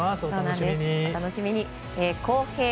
お楽しみに。